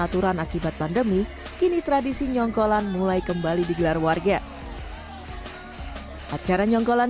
aturan akibat pandemi kini tradisi nyongkolan mulai kembali digelar warga acara nyonggolan